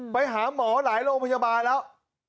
ไปหาหมอหลายโรงพยาบาลแล้ว